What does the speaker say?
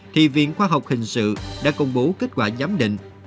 thì viện khoa học hình sự đã công bố kết quả giám định